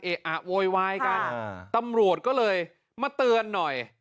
อะโวยวายกันตำรวจก็เลยมาเตือนหน่อย